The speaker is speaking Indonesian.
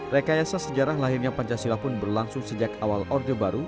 rekayasa sejarah lahirnya pancasila pun berlangsung sejak awal orde baru